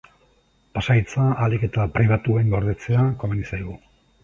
Pasahitza ahalik eta pribatuen gordetzea komeni zaigu.